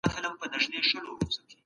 د حکومت مطالبه باید ومنل سي.